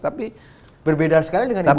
tapi berbeda sekali dengan